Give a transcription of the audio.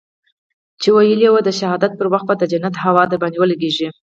چې ويلي يې وو د شهادت پر وخت به د جنت هوا درباندې ولګېږي.